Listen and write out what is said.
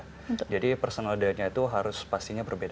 betul jadi personal dietnya itu harus pastinya berbeda